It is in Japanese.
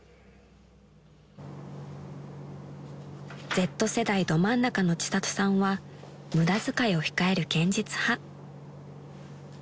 ［Ｚ世代ど真ん中の千里さんは無駄遣いを控える現実派］